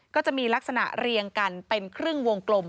ก็จะมีลักษณะเรียงกันเป็นครึ่งวงกลม